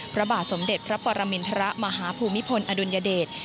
พระบาทสมเด็จพระปรมินทรมาฮภูมิพลอดุลยเดช